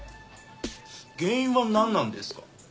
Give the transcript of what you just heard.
原因は何なんですか？